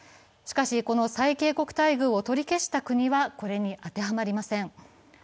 しかし、この最恵国待遇を取り消した国はこれに当てはまりません。